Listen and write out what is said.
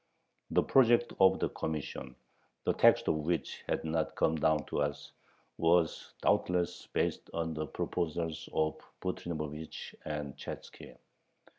The project of the Commission, the text of which has not come down to us, was doubtless based on the proposals of Butrymovich and Chatzki.